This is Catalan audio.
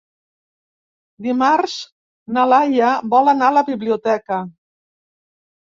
Dimarts na Laia vol anar a la biblioteca.